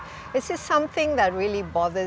apakah ini sesuatu yang membuat kamu bingung